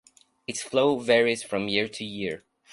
Its flow varies from year to year.